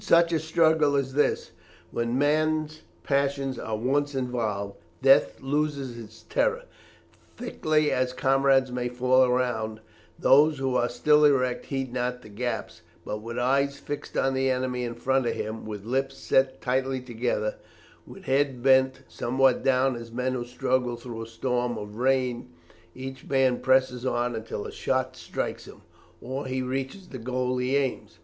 In such a struggle as this, when men's passions are once involved, death loses its terror; thickly as comrades may fall around, those who are still erect heed not the gaps, but with eyes fixed on the enemy in front of him, with lips set tightly together, with head bent somewhat down as men who struggle through a storm of rain, each man presses on until a shot strikes him, or he reaches the goal he aims at.